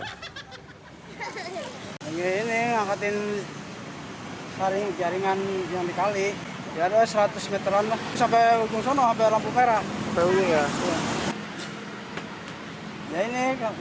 pemprov setempat mencopot waring waring berwarna hitam ini agar kemudian dapat dilakukan pengurukan lumpur di dasar kali hingga kami siang sudah sepanjang lebih dari seratus meter waring waring ini dicopot